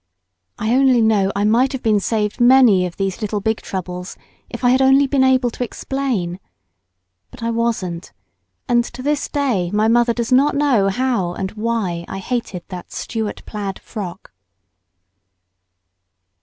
I only know I might have been saved many of these little big troubles if I had only been able to explain. But I wasn't; and to this day my mother does not know how and why I hated that Stuart plaid frock.